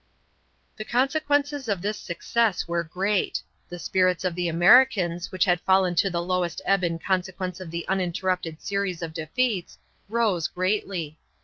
The consequences of this success were great. The spirits of the Americans, which had fallen to the lowest ebb in consequence of the uninterrupted series of defeats, rose greatly.